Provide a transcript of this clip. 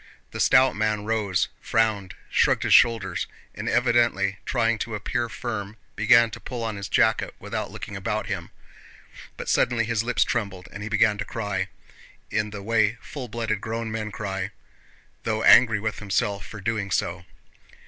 The stout man rose, frowned, shrugged his shoulders, and evidently trying to appear firm began to pull on his jacket without looking about him, but suddenly his lips trembled and he began to cry, in the way full blooded grown up men cry, though angry with himself for doing so.